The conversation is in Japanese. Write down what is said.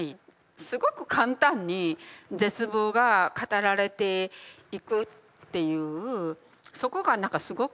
すごく簡単に絶望が語られていくっていうそこが何かすごく気になっていて。